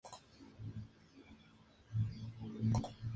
Típicamente sus canciones tienen características autobiográficas.